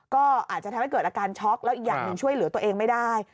ก็อาจจะทำให้เกิดอาการช็อกแล้วอีกอย่างหนึ่งช่วยเหลือตัวเองไม่ได้